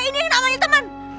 ini yang namanya temen